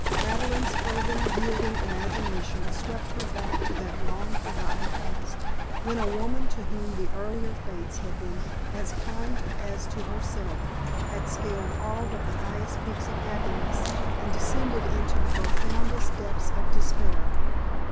Madeleine's fervid yielding imagination swept her back to that long forgotten past when a woman to whom the earlier fates had been as kind as to herself had scaled all but the highest peaks of happiness and descended into the profoundest depths of despair.